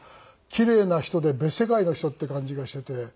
キレイな人で別世界の人って感じがしてて。